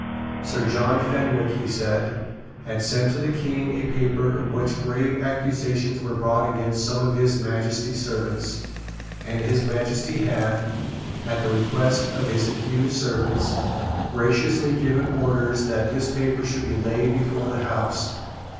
Sir John Fenwick, he said, had sent to the King a paper in which grave accusations were brought against some of His Majesty's servants; and His Majesty had, at the request of his accused servants, graciously given orders that this paper should be laid before the House.